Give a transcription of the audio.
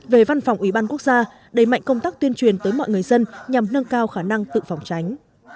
về văn phòng ủy ban quốc gia đẩy mạnh công tác tuyên truyền tới mọi người dân nhằm nâng cao khả năng tự phòng tránh